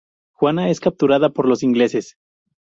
Juana es capturada por los ingleses.